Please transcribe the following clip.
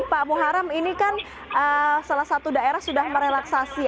pak muharam ini kan salah satu daerah sudah merelaksasi